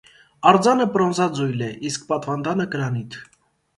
Արձանը պրոնզաձոյլ է, իսկ պատուանդանը՝ կրանիթ։